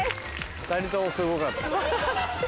２人ともすごかった。